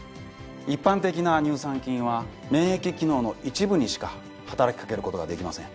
一般的な乳酸菌は免疫機能の一部にしか働き掛けることができません。